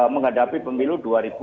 menghadapi pemilu dua ribu dua puluh